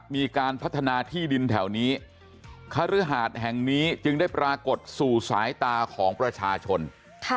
มีการพัฒนาที่ดินแถวนี้คฤหาดแห่งนี้จึงได้ปรากฏสู่สายตาของประชาชนค่ะ